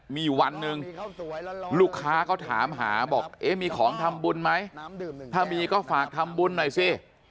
มีอยู่วันหนึ่งลูกค้าเขาถามหาบอกเอ๊ะมีของทำบุญไหมถ้ามีก็ฝากทำบุญหน่อยสิ